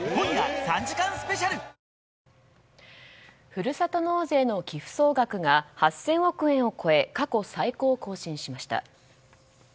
ふるさと納税の寄付総額が８０００億円を超え過去最高を更新しました。